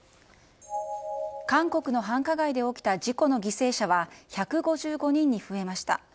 韓国の繁華街で起きた事故の犠牲者は、１５５人に増えました。